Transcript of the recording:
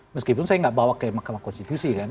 meskipun saya nggak bawa ke mahkamah konstitusi kan